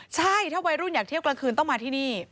ใช่ถ้าวัยรุ่นอยากเที่ยวกลางคืนต้องมาที่นี่